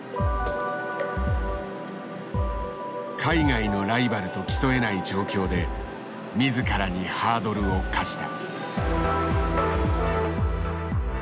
海外のライバルと競えない状況で自らにハードルを課した。